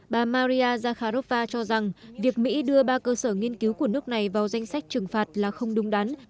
bà maria zakharova cho rằng việc mỹ đưa ba cơ sở nghiên cứu của nước này vào danh sách trừng phạt là không đúng đắn